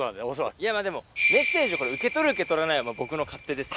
いやまぁでもメッセージを受け取る受け取らないは僕の勝手ですから。